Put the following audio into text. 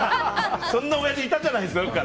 そんなおやじいたじゃない。